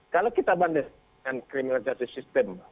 kalau kita bandingkan dengan criminal justice system